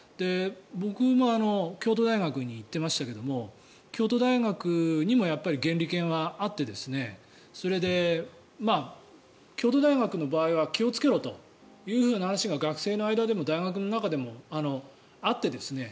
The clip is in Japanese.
僕も京都大学に行っていましたけど京都大学にもやっぱり原理研はあってそれで京都大学の場合は気をつけろという話が学生の間でも大学の中でもあってですね。